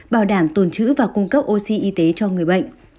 bảo đảm tồn chữ và cung cấp oxy y tế cho người bệnh